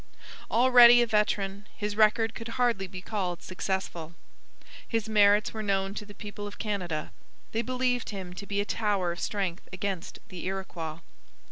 Already a veteran, his record could hardly be called successful. His merits were known to the people of Canada; they believed him to be a tower of strength against the Iroquois.